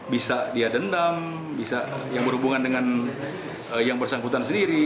bisa dia dendam bisa yang berhubungan dengan yang bersangkutan sendiri